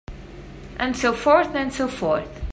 And so forth and so forth.